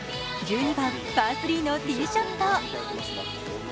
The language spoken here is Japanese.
１２番、パー３のティーショット。